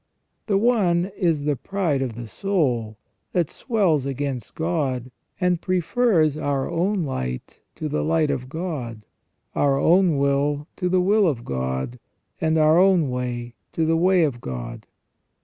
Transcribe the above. The one is the pride of the soul, that swells against God, and prefers our own hght to the light of God, our own will to the will of God, and our own way to the way of God.